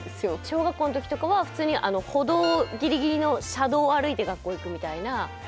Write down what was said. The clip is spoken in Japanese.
小学校の時とかは普通に歩道ギリギリの車道を歩いて学校行くみたいな。